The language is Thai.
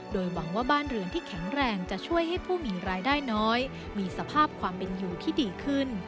โดยหวังว่าบ้านเรือนที่แข็งแรงจะช่วยให้ผู้มีรายได้น้อยมีสภาพความเป็นอยู่ที่ดีขึ้น